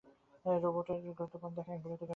রোবটের গ্রন্থপাঠ দেখা এক বিরক্তিকর ব্যাপার।